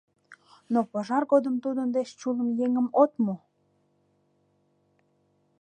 Но пожар годым тудын деч чулым еҥым от му.